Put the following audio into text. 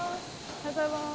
おはようございます。